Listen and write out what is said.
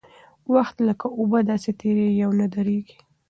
وخت لکه اوبه داسې تېرېږي او نه درېږي.